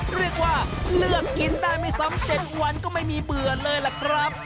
เรียกว่าเลือกกินได้ไม่ซ้ำ๗วันก็ไม่มีเบื่อเลยล่ะครับ